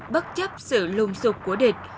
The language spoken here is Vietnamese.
bất chấp sự lung sụp của địch